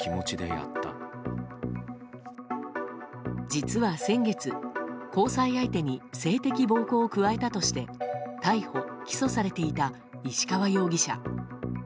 実は、先月も交際相手に性的暴行を加えたとして逮捕・起訴されていた石川容疑者。